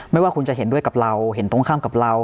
ไม่ว่าคุณจะเห็นด้วยกับเราเห็นตรงข้ามกับเรา